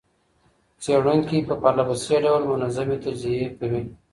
څیړونکي په پرله پسې ډول منظمي تجزیې کوي.